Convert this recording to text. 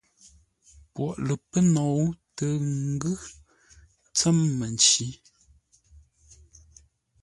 Poghʼ lə pə́ nou tə́ ngʉ́ tsə̌m məncǐ.